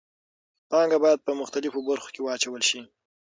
پانګه باید په مختلفو برخو کې واچول شي.